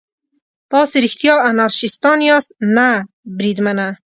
تاسې رښتیا انارشیستان یاست؟ نه بریدمنه.